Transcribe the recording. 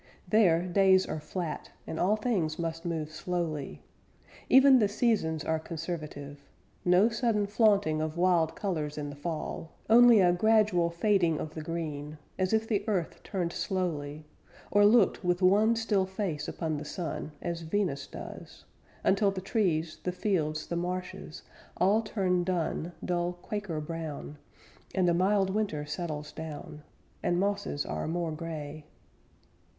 There days are flat, And all things must move slowly; Even the seasons are conservative No sudden flaunting of wild colors in the fall, Only a gradual fading of the green, As if the earth turned slowly, Or looked with one still face upon the sun As Venus does Until the trees, the fields, the marshes, All turn dun, dull Quaker brown, And a mild winter settles down, And mosses are more gray.